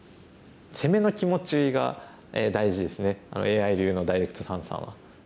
攻めの気持ちが大事ですねＡＩ流のダイレクト三々は。